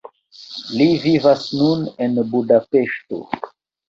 Li vivas nun en Budapeŝto.